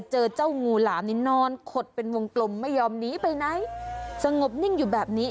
เจอเจ้างูหลามนี่นอนขดเป็นวงกลมไม่ยอมหนีไปไหนสงบนิ่งอยู่แบบนี้